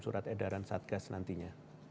surat edaran satgas nantinya